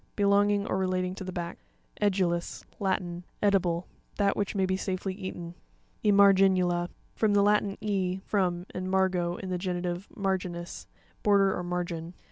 Belonging or relating to the back. E'puuis.—Latin. Edible ; that which may be safely eaten. Emarei'nuta.—From the Latin, e, from, and margo, in the genitive, marginis, border or margin.